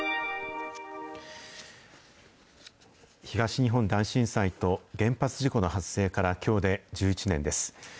東日本大震災と原発事故の発生から、きょうで１１年です。